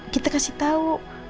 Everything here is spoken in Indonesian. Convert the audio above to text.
kita kasih tahu